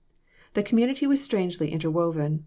The community was strangely interwoven.